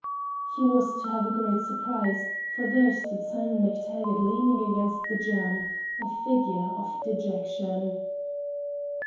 He was to have a great surprise, for there stood Simon Mac Taggart leaning against the jamb a figure of dejection!